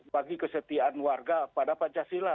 bagi kesetiaan warga pada pancasila